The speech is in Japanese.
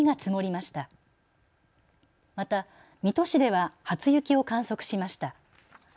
また水戸市では初雪を観測しました。